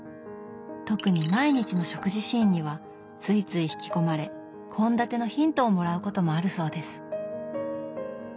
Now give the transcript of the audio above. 特に毎日の食事シーンにはついつい引き込まれ献立のヒントをもらうこともあるそうです。